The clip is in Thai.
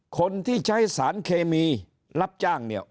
คนที่ใช้สารเคมีรับจ้างเนี่ย